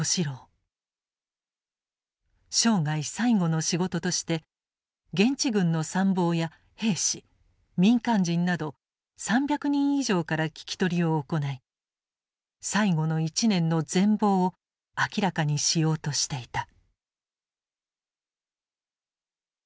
生涯最後の仕事として現地軍の参謀や兵士民間人など３００人以上から聞き取りを行い最後の１年の全貌を明らかにしようとしていた。